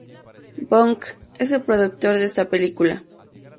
Bong es el productor de esta película.